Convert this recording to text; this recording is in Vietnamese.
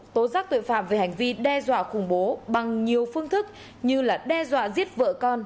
tố giác tội phạm về hành vi đe dọa khủng bố bằng nhiều phương thức như là đe dọa giết vợ con